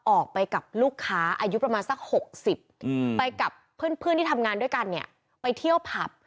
ออกไปกับลูกค้าอายุประมาณสัก๖๐ไปกับเพื่อนที่ทำงานด้วยกันเนี่ยไปเที่ยวผับ